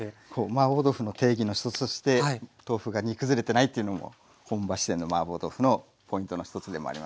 マーボー豆腐の定義の１つとして豆腐が煮くずれてないっていうのも本場四川のマーボー豆腐のポイントの１つでもありますね。